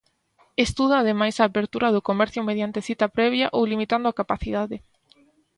Estuda ademais a apertura do comercio mediante cita previa ou limitando a capacidade.